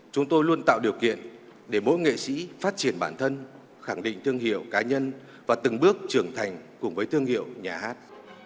chúng tôi luôn tạo điều kiện để mỗi nghệ sĩ phát triển bản thân khẳng định thương hiệu cá nhân và từng bước trưởng thành cùng với thương hiệu nhà hát